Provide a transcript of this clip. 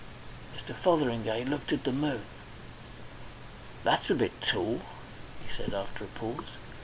Mr. Fotheringay looked at the moon. "That's a bit tall," he said, after a pause.